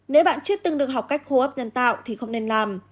nếu bạn chưa từng được học cách hô hấp nhân tạo thì không nên làm